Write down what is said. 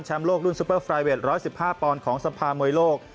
แชมป์โลกรุ่นซูเปอร์ฟรายเวท๑๑๕ปอนด์ของสัมภาษณ์มวยโลก